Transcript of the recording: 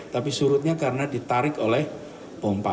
tapi surutnya karena ditarik oleh pompa